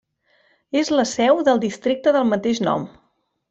És la seu del districte del mateix nom.